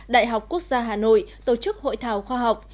đại học quốc gia hà nội tổ chức hội thảo khoa học